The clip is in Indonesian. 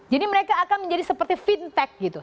jadi mereka akan menjadi seperti fintech gitu